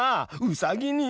うさぎに！？